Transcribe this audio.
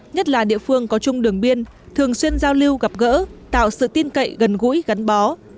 nhất là địa phương có chung đường biên thường xuyên giao lưu gặp gỡ tạo sự tin cậy gần gũi gắn bó